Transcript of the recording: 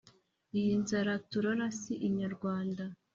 iyi nzara turora si inyarwanda